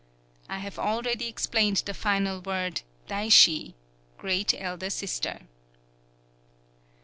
I have already explained the final word, Daishi ("great elder sister").